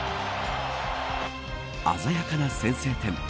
鮮やかな先制点。